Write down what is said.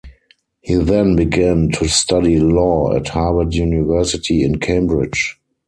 He then began to study law at Harvard University in Cambridge.